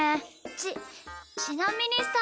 ちちなみにさ